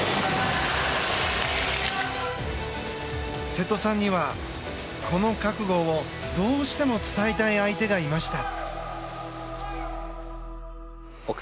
瀬戸さんには、この覚悟をどうしても伝えたい相手がいました。